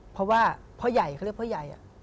เพราะว่าพ่อใหญ่เขาเรียกพ่อใหญ่